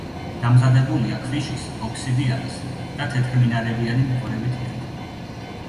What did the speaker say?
დამზადებულია ქვიშის, ოფსიდიანის და თეთრმინარევიანი მკვრივი თიხით.